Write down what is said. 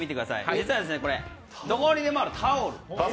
実はどこにでもあるタオル。